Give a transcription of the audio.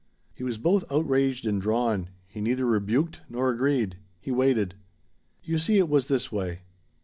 He was both outraged and drawn. He neither rebuked nor agreed. He waited. "You see it was this way.